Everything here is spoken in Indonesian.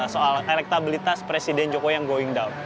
soal elektabilitas presiden jokowi yang going down